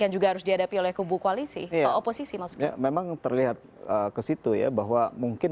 yang juga harus dihadapi oleh kubu koalisi oposisi maksudnya memang terlihat ke situ ya bahwa mungkin